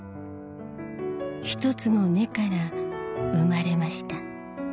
一つの根から生まれました。